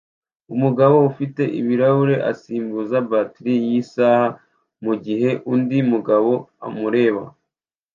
Umugabo ufite ibirahure asimbuza bateri yisaha mugihe undi mugabo amureba